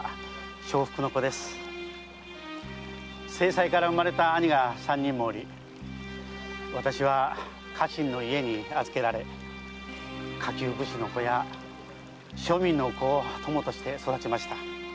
正妻から生まれた兄が三人もおり私は家臣の家に預けられ下級武士の子や庶民の子を友として育ちました。